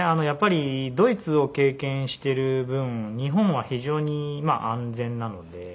やっぱりドイツを経験してる分日本は非常に安全なので。